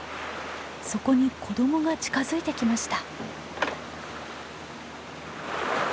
そこに子どもが近づいてきました。